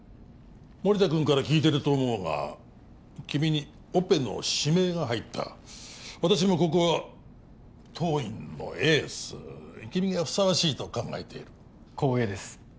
護田くんから聞いてると思うが君にオペの指名が入った私もここは当院のエース君がふさわしいと考えている光栄です